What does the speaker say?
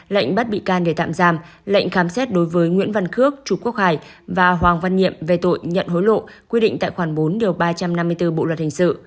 lệnh bắt bị can để tạm giam lệnh khám xét đối với nguyễn văn khước chu quốc hải và hoàng văn nhiệm về tội nhận hối lộ quy định tại khoản bốn ba trăm năm mươi bốn bộ luật hình sự